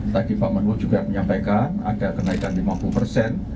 tadi pak menhu juga menyampaikan ada kenaikan lima puluh persen